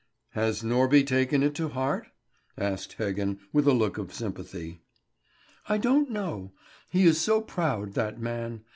"Has Norby taken it to heart?" asked Heggen, with a look of sympathy. "I don't know; he is so proud, that man.